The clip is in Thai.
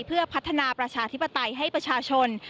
เพื่อพัฒนาประชาธิปไตยให้ประชาชน